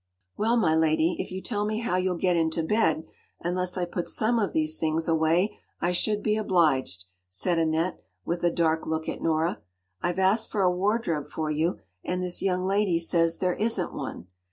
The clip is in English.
” “Well, my lady, if you’ll tell me how you’ll get into bed, unless I put some of these things away, I should be obliged!” said Annette, with a dark look at Nora. “I’ve asked for a wardrobe for you, and this young lady says there isn’t one.